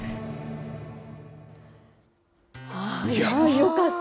よかった。